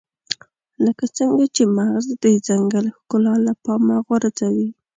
لکه څنګه چې مغز د ځنګل ښکلا له پامه غورځوي.